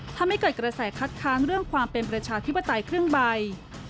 ทำให้เกิดกระแสคัดค้างเรื่องความเป็นประชาธิปไตยครึ่งใบ